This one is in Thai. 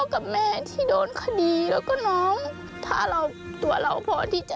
ทำเพื่อเขาทำเพื่อสังคม